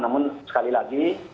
namun sekali lagi